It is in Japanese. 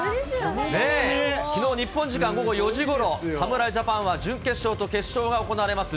きのう、日本時間午後４時ごろ、侍ジャパンは準決勝と決勝が行われます